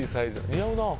似合うなあ。